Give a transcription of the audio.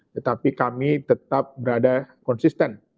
tetapi kami tetap berada konsisten